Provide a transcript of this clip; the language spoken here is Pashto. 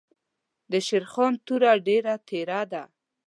دشېرخان توره ډېره تېره ده.